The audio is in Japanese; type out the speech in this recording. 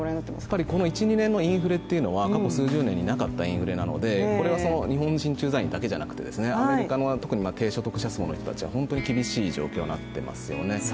やっぱりこの１２年のインフレというのは過去数十年でなかったインフレなのでこれは日本人駐在員だけじゃなくてアメリカの特に低所得者層の人たちは本当に厳しい状況になっていますよね。